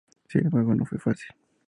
Sin embargo, no fue fácil.